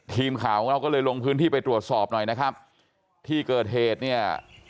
ทีมข่าวของเราก็เลยลงพื้นที่ไปตรวจสอบหน่อยนะครับที่เกิดเหตุเนี่ย